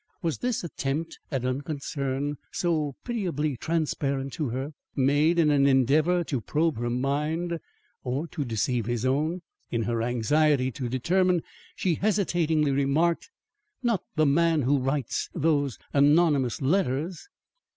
Was this attempt at unconcern, so pitiably transparent to her, made in an endeavour to probe her mind or to deceive his own? In her anxiety to determine, she hesitatingly remarked: "Not the man who writes those anonymous letters?"